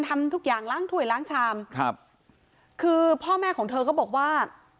ทำทุกอย่างล้างถ้วยล้างชามครับคือพ่อแม่ของเธอก็บอกว่า